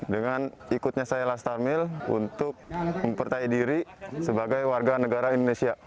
dengan ikutnya saya kelas armil untuk mempercaya diri sebagai warga negara indonesia